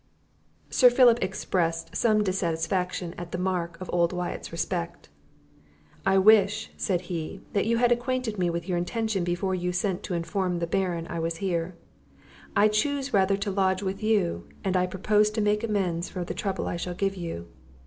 Sir Philip expressed some dissatisfaction at this mark of old Wyatt's respect. "I wish," said he, "that you had acquainted me with your intention before you sent to inform the Baron I was here. I choose rather to lodge with you; and I propose to make amends for the trouble I shall give you."